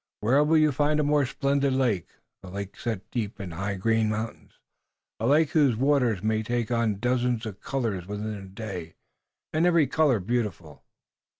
Where will you find a more splendid lake, a lake set deep in high green mountains, a lake whose waters may take on a dozen colors within a day, and every color beautiful?"